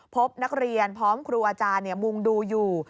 พบนักเรียนพร้อมครูอาจารย์มุงดูอยู่